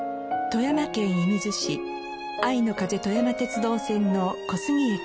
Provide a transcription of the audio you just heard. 富山県射水市あいの風とやま鉄道線の小杉駅。